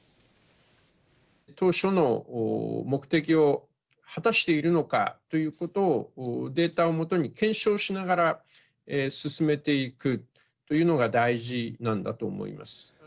当初の目的を果たしているのかということをデータを基に検証しながら、進めていくというのが大事なんだと思います。